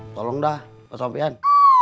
tolong dah pak sofian